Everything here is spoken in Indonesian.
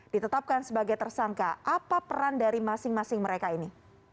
ditetapkan sebagai tersangka apa peran dari masing masing mereka ini